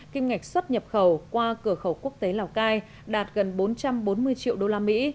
kim ngạch xuất nhập khẩu qua cửa khẩu quốc tế lào cai đạt gần bốn trăm bốn mươi triệu đô la mỹ